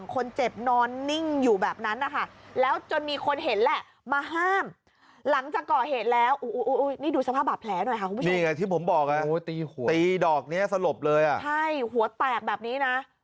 คือแบบอะไรวะมาเกิดเหตุแบบใกล้แบบนี้ค่ะ